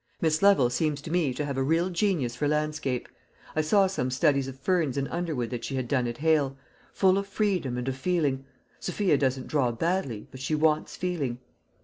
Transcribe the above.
Miss Lovel seems to me to have a real genius for landscape. I saw some studies of ferns and underwood that she had done at Hale full of freedom and of feeling. Sophia doesn't draw badly, but she wants feeling."